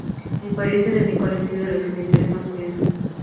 En París se dedicó al estudio de los genitales masculinos.